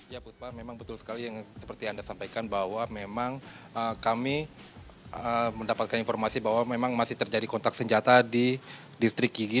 ya puspa memang betul sekali yang seperti anda sampaikan bahwa memang kami mendapatkan informasi bahwa memang masih terjadi kontak senjata di distrik yigi